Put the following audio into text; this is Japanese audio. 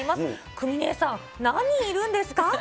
くみねぇさん、何人いるんですか？